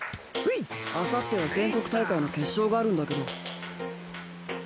あさっては全国大会の決勝があるんだけど。